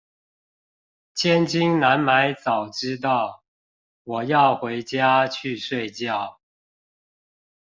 千金難買早知道，我要回家去睡覺